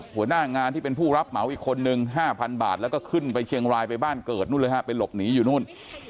หัวหน้างานที่เป็นผู้รับเหมาอีกคนนึง๕๐๐บาทแล้วก็ขึ้นไปเชียงรายไปบ้านเกิดนู่นเลยฮะไปหลบหนีอยู่นู่น